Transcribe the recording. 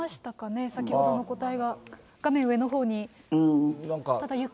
先ほどの個体が、画面上のほうに。